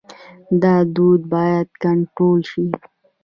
دا دود باید کنټرول شي.